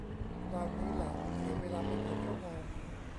คราวนี้แหละเสียเวลาไปเกือบชั่วโมง